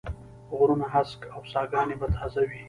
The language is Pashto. غرونه هسک و او ساګاني به تازه وې